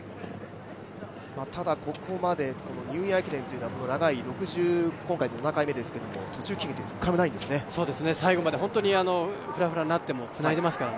ただ、ここまでニューイヤー駅伝というのは、今回６７回目ですけど途中棄権は一回もないんですね。